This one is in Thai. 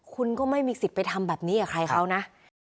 คุณก็ไม่มีสิทธิ์ไปทำแบบนี้กับใครเขานะ